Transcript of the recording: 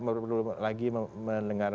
perlu lagi mendengar